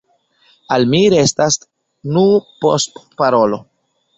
Al mi restas nur postparolo.